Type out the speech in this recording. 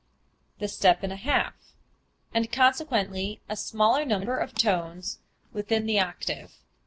_, the step and a half), and consequently a smaller number of tones within the octave.